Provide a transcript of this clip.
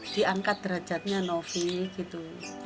diangkat derajatnya novi gitu